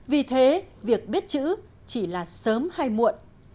vì thế việc biết chữ chỉ là sớm hay muộn